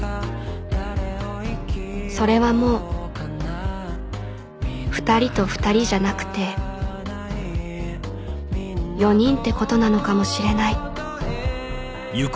それはもう２人と２人じゃなくて４人ってことなのかもしれない